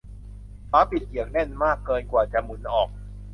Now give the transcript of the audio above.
ฝาปิดเหยือกแน่นมากเกินกว่าจะหมุนออก